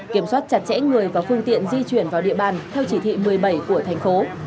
kiểm soát chặt chẽ người và phương tiện di chuyển vào địa bàn theo chỉ thị một mươi bảy của thành phố